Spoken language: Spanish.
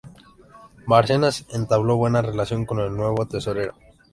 Bárcenas entabló buena relación con el nuevo tesorero.